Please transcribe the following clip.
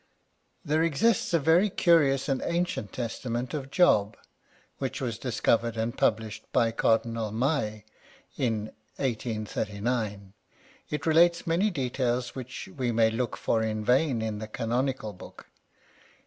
There exists a very curious and ancient testament of Job, which was discovered and published by Cardinal MaY, in 1839 ;^^ relates many details which we may look for in vain in the Canonical Book.